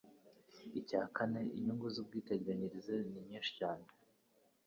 Icya kane, inyungu z'ubwiteganyirize ni nyinshi cyane